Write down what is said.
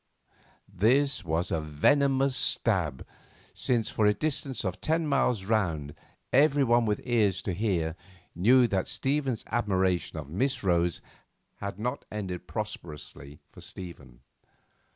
This was a venomous stab, since for a distance of ten miles round everyone with ears to hear knew that Stephen's admiration of Miss Rose had not ended prosperously for Stephen.